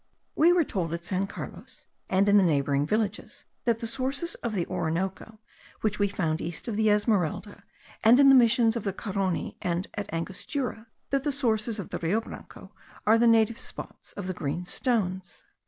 We were told at San Carlos, and in the neighbouring villages, that the sources of the Orinoco, which we found east of the Esmeralda, and in the missions of the Carony and at Angostura, that the sources of the Rio Branco are the native spots of the green stones.